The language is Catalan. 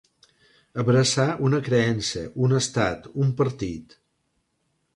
Abraçar una creença, un estat, un partit.